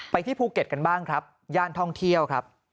ที่ภูเก็ตกันบ้างครับย่านท่องเที่ยวครับ